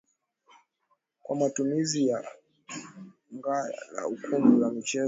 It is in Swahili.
kwa matumizi ya ghala ukumbi wa michezo na kadhalika au